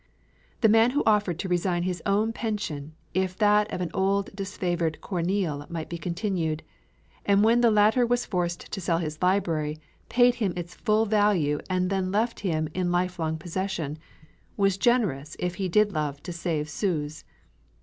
The man who offered to resign his own pension if that of old disfavored Corneille might be continued, and when the latter was forced to sell his library, paid him its full value and then left him in lifelong possession, was generous if he did love to save sous.